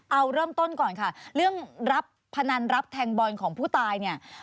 เอาเริ่มต้นก่อนค่ะเรื่องรับพนันรับแทงบอลของผู้ตายเนี่ย